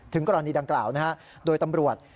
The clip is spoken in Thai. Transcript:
กรณีดังกล่าวนะฮะโดยตำรวจ